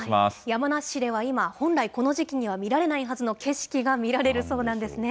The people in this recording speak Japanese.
山梨市では今、本来、この時期には見られないはずの景色が見られるそうなんですね。